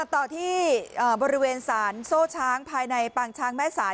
ต่อที่บริเวณสารโซ่ช้างภายในปางช้างแม่สาย